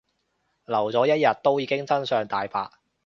留咗一日都已經真相大白